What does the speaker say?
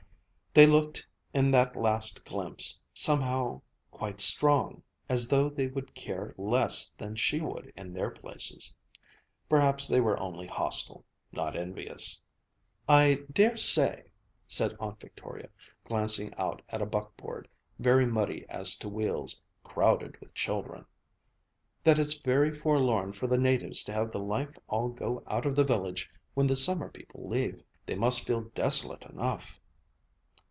They looked, in that last glimpse, somehow quite strong, as though they would care less than she would in their places. Perhaps they were only hostile, not envious. "I dare say," said Aunt Victoria, glancing out at a buck board, very muddy as to wheels, crowded with children, "that it's very forlorn for the natives to have the life all go out of the village when the summer people leave. They must feel desolate enough!"